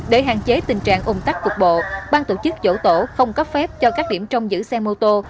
để hạn chế tình trạng ủng tắc cục bộ bang tổ chức dỗ tổ không cấp phép cho các điểm trong giữ xe mô tô